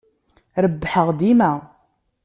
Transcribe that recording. Rebbḥeɣ dima.